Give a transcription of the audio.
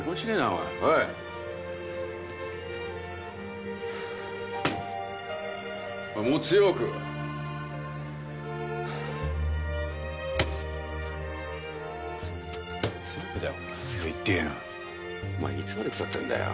お前いつまで腐ってんだよ。